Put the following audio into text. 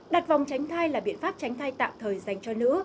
đặt vòng tránh thai là biện pháp tránh thai tạm thời dành cho nữ